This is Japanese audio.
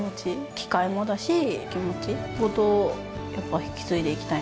機械もだし気持ちごとやっぱ引き継いでいきたい。